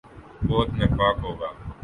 بہت نفاق ہو گا۔